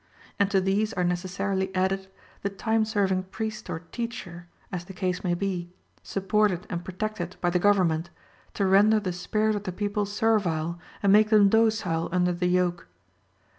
And to these are necessarily added the time serving priest or teacher, as the case may be, supported and protected by the government, to render the spirit of the people servile and make them docile under the yoke.